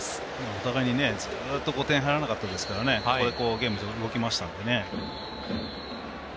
お互いにずっと点が入らなかったですからここでゲーム、動きましたのでね。